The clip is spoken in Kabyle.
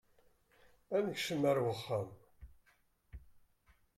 Ad nekcem ar wexxam.